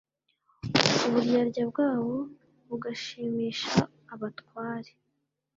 uburyarya bwabo bugashimisha abatware.